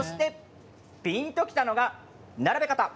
ピンときたのが並べ方。